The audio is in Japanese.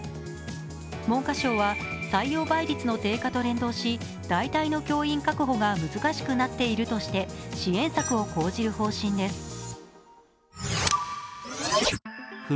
文科省は、採用倍率の低下と連動し代替の教員確保が難しくなっているとして支援策を講じる方針です。